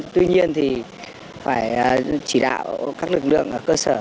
tuy nhiên thì phải chỉ đạo các lực lượng ở cơ sở